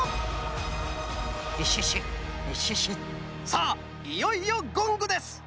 さあいよいよゴングです！